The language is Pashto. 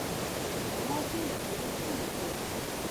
زما ټولي جملې سمي دي؟